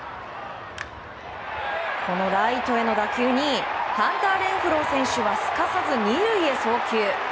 このライトへの打球にハンター・レンフロー選手はすかさず２塁へ送球。